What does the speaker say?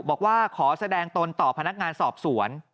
บอกว่าขอแสดงตนต่อพนักงานสอบสวน